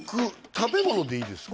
食べ物でいいですか？